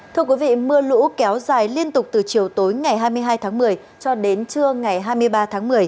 thưa quý vị mưa lũ kéo dài liên tục từ chiều tối ngày hai mươi hai tháng một mươi cho đến trưa ngày hai mươi ba tháng một mươi